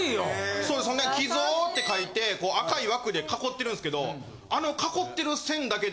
そうです寄贈って書いて赤い枠で囲ってるんですけど。